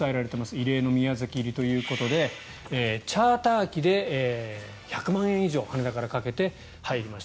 異例の宮崎入りということでチャーター機で１００万円以上羽田からかけて入りました。